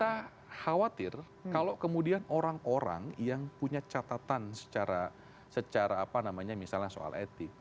kita khawatir kalau kemudian orang orang yang punya catatan misalnya soal etik